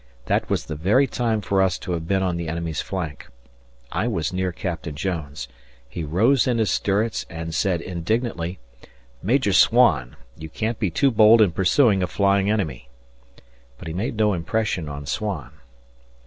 That was the very time for us to have been on the enemy's flank. I was near Captain Jones. He rose in his stirrups and said indignantly, "Major Swan! You can't be too bold in pursuing a flying enemy." But he made no impression on Swan.